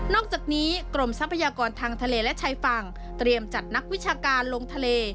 อกจากนี้กรมทรัพยากรทางทะเลและชายฝั่งเตรียมจัดนักวิชาการลงทะเล